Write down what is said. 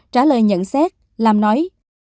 trả lời nhận xét lam nói